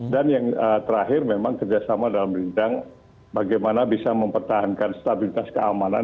dan yang terakhir memang kerjasama dalam bidang bagaimana bisa mempertahankan stabilitas keamanan